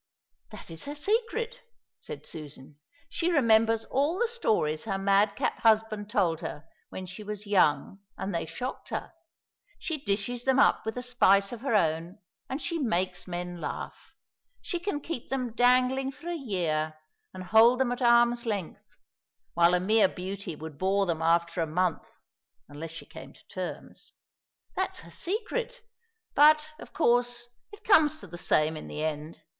"That is her secret," said Susan; "she remembers all the stories her madcap husband told her when she was young and they shocked her. She dishes them up with a spice of her own, and she makes men laugh. She can keep them dangling for a year and hold them at arm's length; while a mere beauty would bore them after a month, unless she came to terms. That's her secret. But, of course, it comes to the same in the end.